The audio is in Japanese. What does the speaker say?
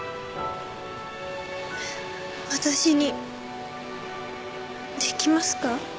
私にできますか？